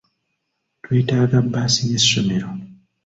Twetaaga bbaasi y'essomero.